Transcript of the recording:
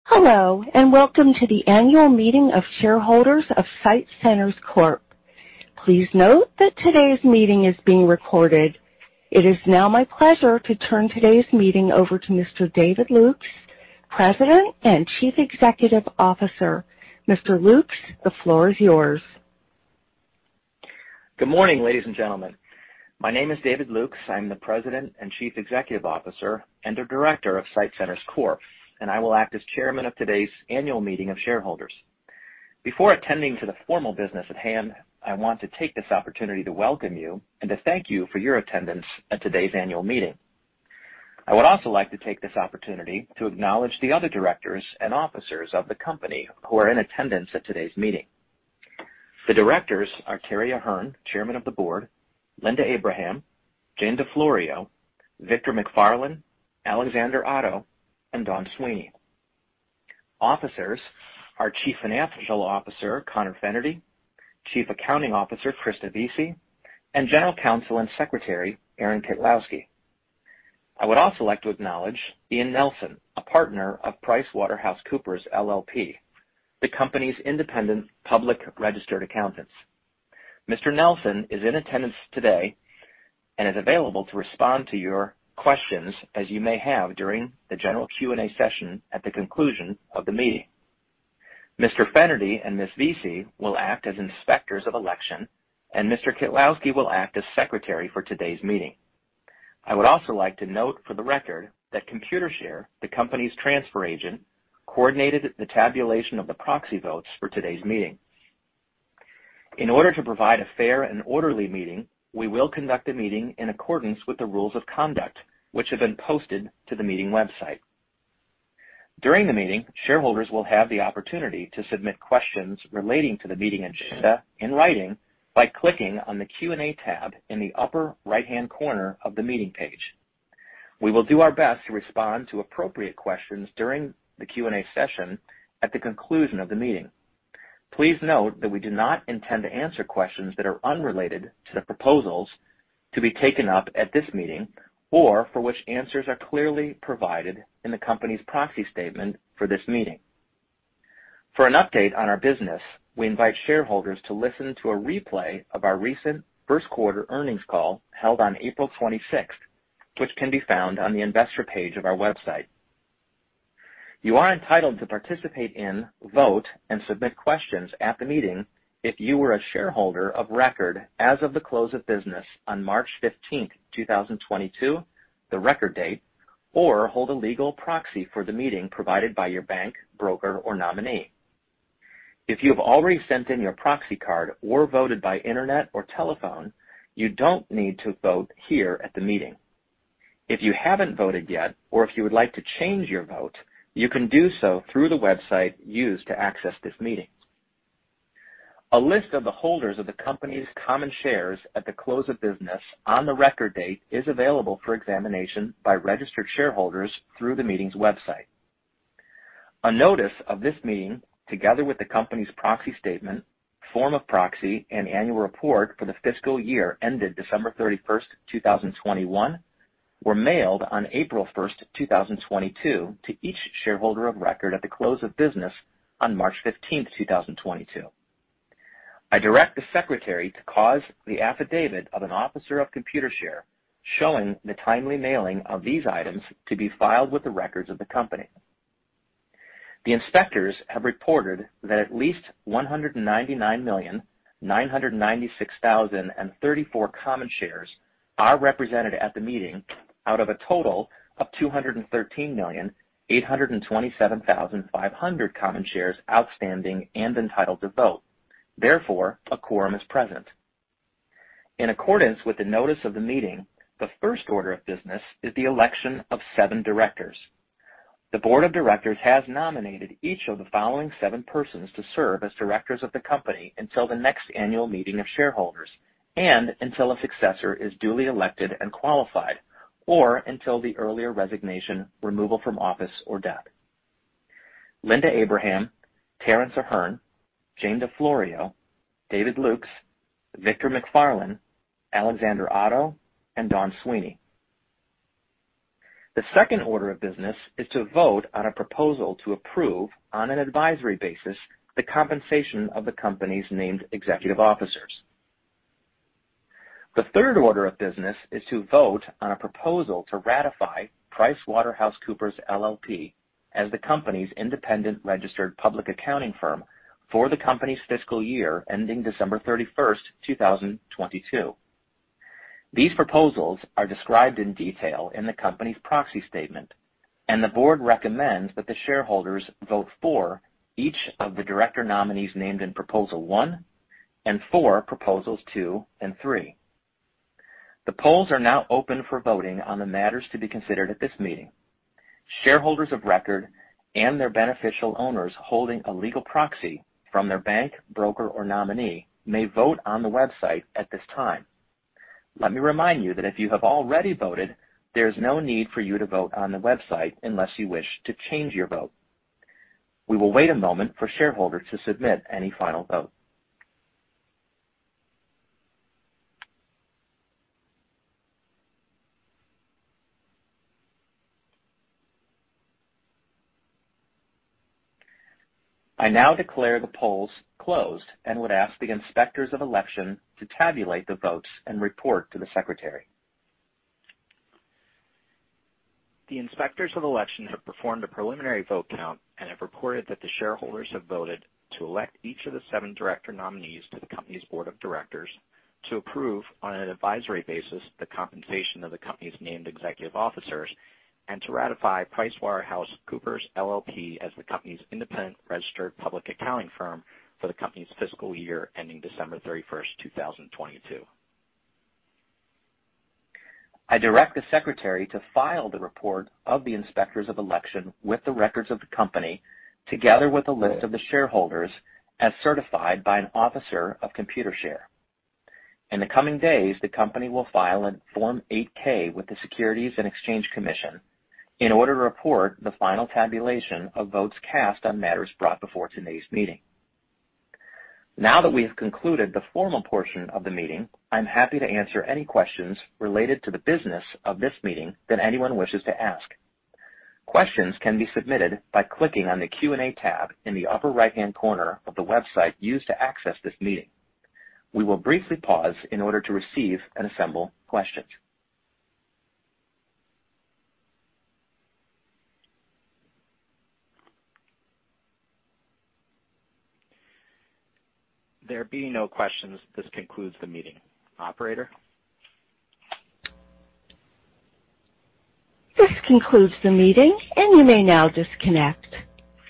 Hello, and welcome to the annual meeting of shareholders of SITE Centers Corp. Please note that today's meeting is being recorded. It is now my pleasure to turn today's meeting over to Mr. David Lukes, President and Chief Executive Officer. Mr. Lukes, the floor is yours. Good morning, ladies and gentlemen. My name is David Lukes. I'm the President and Chief Executive Officer and the Director of SITE Centers Corp., and I will act as chairman of today's annual meeting of shareholders. Before attending to the formal business at hand, I want to take this opportunity to welcome you and to thank you for your attendance at today's annual meeting. I would also like to take this opportunity to acknowledge the other directors and officers of the company who are in attendance at today's meeting. The directors are Terrance Ahern, Chairman of the Board, Linda Abraham, Jane DeFlorio, Victor MacFarlane, Alexander Otto, and Dawn Sweeney. Officers are Chief Financial Officer Conor Fennerty, Chief Accounting Officer Christa Vesy, and General Counsel and Secretary Aaron Kitlowski. I would also like to acknowledge Ian Nelson, a partner of PricewaterhouseCoopers LLP, the company's independent public registered accountants. Mr. Nelson is in attendance today and is available to respond to your questions as you may have during the general Q&A session at the conclusion of the meeting. Mr. Fennerty and Ms. Vesy will act as inspectors of election, and Mr. Kitlowski will act as secretary for today's meeting. I would also like to note for the record that Computershare, the company's transfer agent, coordinated the tabulation of the proxy votes for today's meeting. In order to provide a fair and orderly meeting, we will conduct the meeting in accordance with the rules of conduct which have been posted to the meeting website. During the meeting, shareholders will have the opportunity to submit questions relating to the meeting agenda in writing by clicking on the Q&A tab in the upper right-hand corner of the meeting page. We will do our best to respond to appropriate questions during the Q&A session at the conclusion of the meeting. Please note that we do not intend to answer questions that are unrelated to the proposals to be taken up at this meeting or for which answers are clearly provided in the company's proxy statement for this meeting. For an update on our business, we invite shareholders to listen to a replay of our recent first quarter earnings call held on April 26th, which can be found on the investor page of our website. You are entitled to participate in, vote, and submit questions at the meeting if you were a shareholder of record as of the close of business on March 15th, 2022, the record date, or hold a legal proxy for the meeting provided by your bank, broker or nominee. If you have already sent in your proxy card or voted by internet or telephone, you don't need to vote here at the meeting. If you haven't voted yet or if you would like to change your vote, you can do so through the website used to access this meeting. A list of the holders of the company's common shares at the close of business on the record date is available for examination by registered shareholders through the meeting's website. A notice of this meeting, together with the company's proxy statement, form of proxy, and annual report for the fiscal year ended December 31, 2021, were mailed on April 1, 2022 to each shareholder of record at the close of business on March 15, 2022. I direct the secretary to cause the affidavit of an officer of Computershare showing the timely mailing of these items to be filed with the records of the company. The inspectors have reported that at least 199,996,034 common shares are represented at the meeting out of a total of 213,827,500 common shares outstanding and entitled to vote. Therefore, a quorum is present. In accordance with the notice of the meeting, the first order of business is the election of 7 directors. The board of directors has nominated each of the following 7 persons to serve as directors of the company until the next annual meeting of shareholders and until a successor is duly elected and qualified, or until the earlier resignation, removal from office, or death. Linda Abraham, Terrance Ahern, Jane DeFlorio, David Lukes, Victor MacFarlane, Alexander Otto, and Dawn Sweeney. The second order of business is to vote on a proposal to approve, on an advisory basis, the compensation of the company's named executive officers. The third order of business is to vote on a proposal to ratify PricewaterhouseCoopers LLP, as the company's independent registered public accounting firm for the company's fiscal year ending December 31, 2022. These proposals are described in detail in the company's proxy statement, and the board recommends that the shareholders vote for each of the director nominees named in proposal one and for proposals two and three. The polls are now open for voting on the matters to be considered at this meeting. Shareholders of record and their beneficial owners holding a legal proxy from their bank, broker or nominee may vote on the website at this time. Let me remind you that if you have already voted, there is no need for you to vote on the website unless you wish to change your vote. We will wait a moment for shareholders to submit any final vote. I now declare the polls closed and would ask the inspectors of election to tabulate the votes and report to the secretary. The inspectors of election have performed a preliminary vote count and have reported that the shareholders have voted to elect each of the seven director nominees to the company's board of directors to approve, on an advisory basis, the compensation of the company's named executive officers and to ratify PricewaterhouseCoopers LLP, as the company's independent registered public accounting firm for the company's fiscal year ending December 31, 2022. I direct the secretary to file the report of the inspectors of election with the records of the company, together with a list of the shareholders as certified by an officer of Computershare. In the coming days, the company will file a Form 8-K with the Securities and Exchange Commission in order to report the final tabulation of votes cast on matters brought before today's meeting. Now that we have concluded the formal portion of the meeting, I'm happy to answer any questions related to the business of this meeting that anyone wishes to ask. Questions can be submitted by clicking on the Q&A tab in the upper right-hand corner of the website used to access this meeting. We will briefly pause in order to receive and assemble questions. There being no questions, this concludes the meeting. Operator. This concludes the meeting, and you may now disconnect.